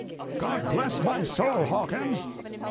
"God bless my soul, Hawkins!"